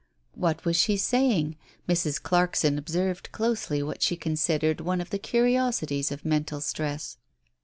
What was she saying ? Mrs. Clarkson observed closely what she considered one of the curiosities of mental stress.